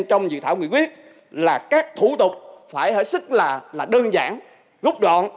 trong dự thảo nghị quyết là các thủ tục phải hở sức là đơn giản gốc đoạn